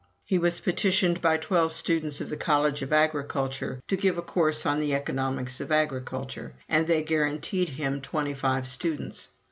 He was petitioned by twelve students of the College of Agriculture to give a course in the Economics of Agriculture, and they guaranteed him twenty five students.